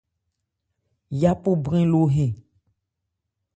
Yapo brɛn lo hɛn.